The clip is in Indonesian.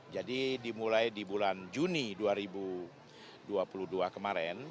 jadi dimulai di bulan juni dua ribu dua puluh dua kemarin